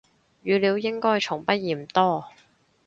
語料應該從不嫌多